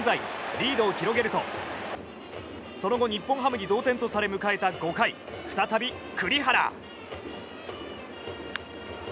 リードを広げるとその後、日本ハムに同点とされ迎えた５回再び、栗原。